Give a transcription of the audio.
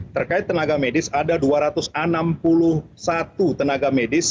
terkait tenaga medis ada dua ratus enam puluh satu tenaga medis